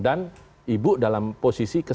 dan ibu dalam posisi kesepakatan